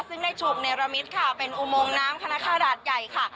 ซึ่งได้ชมเนรมิตค่ะเป็นอุโมงน้ำคณะคาราชใหญ่ค่ะ